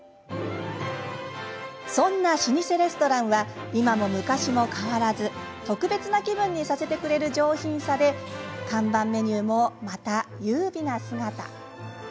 そんな老舗レストランは今も昔も変わらず特別な気分にさせてくれる上品さで看板メニューもまた優美な姿。